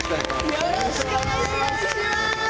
よろしくお願いします。